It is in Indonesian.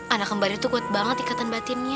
anak kembarnya tuh kuat banget ikatan batinnya